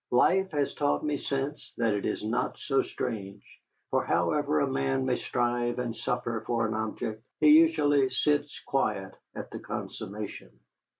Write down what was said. Life has taught me since that it was not so strange, for however a man may strive and suffer for an object, he usually sits quiet at the consummation.